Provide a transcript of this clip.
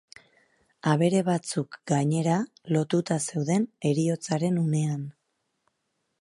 Abere batzuk, gainera, lotuta zeuden heriotzaren unean.